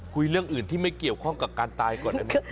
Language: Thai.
คุยเรื่องอื่นที่ไม่เกี่ยวข้องกับการตายก่อนอันนี้